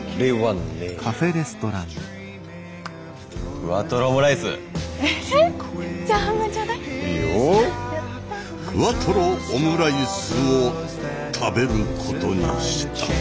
ふわとろオムライスを食べることにした。